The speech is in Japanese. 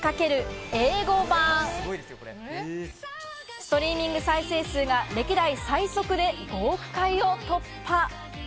ストリーミング再生数が歴代で最速で５億回を突破。